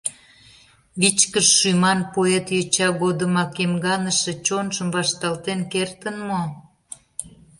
Вичкыж шӱман поэт йоча годымак эмганыше чонжым вашталтен кертын мо?